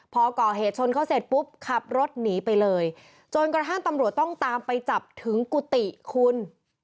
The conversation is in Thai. พอก่อเหตุชนเขาเสร็จปุ๊บขับรถหนีไปเลยจนกระทั่งตำรวจต้องตามไปจับถึงกุฏิคุณ